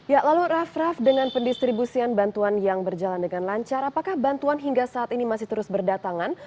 ya lalu raff raff dengan pendistribusian bantuan yang berjalan dengan lancar apakah bantuan hingga saat ini masih terus berdatangan